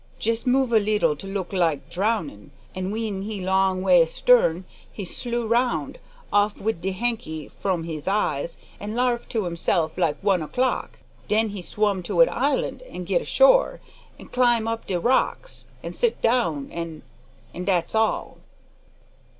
Jest move a leetle to look like drownin', an' w'en he long way astern, he slew round, off wid de hanky fro hims eyes an' larf to hisseff like one o'clock. Den he swum'd to a island an' git ashore, and climb up de rocks, an' sit down an' an' dat's all."